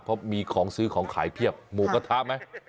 เพราะมีของซื้อของขายเพียบหมูกระทะไหม